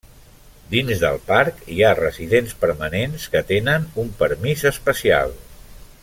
Dins del parc hi ha residents permanents que tenen un permís especial.